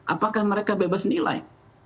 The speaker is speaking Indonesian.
apakah mereka bebas nilai